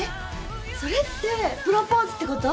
それってプロポーズってこと？